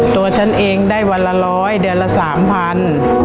ตัวฉันเองได้วันละร้อยเดือนละ๓๐๐บาท